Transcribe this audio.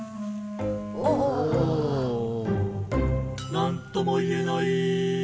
「何とも言えない」